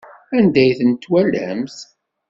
Anda ay tent-twalamt?